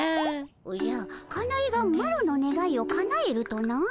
おじゃかなえがマロのねがいをかなえるとな？